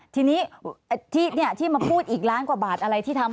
ทีนี้ที่มาพูดอีกล้านกว่าบาทอะไรที่ทำ